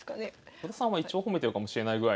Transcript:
徳田さんは一応褒めてるかもしれないぐらいの。